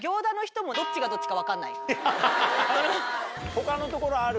他のところある？